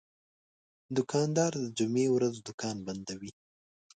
دوکاندار د جمعې ورځ دوکان بندوي.